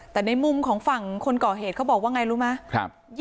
แต่ในมุมของฝั่งคนก่อเหตุเขาบอกว่าไงรู้ไหม